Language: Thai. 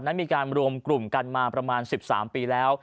นั้นมีการรวมกลุ่มกันมาประมาณ๑๓ปีแล้ว